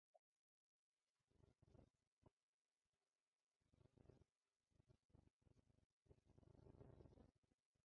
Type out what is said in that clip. He represented Macon.